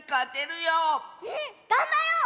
うんがんばろう！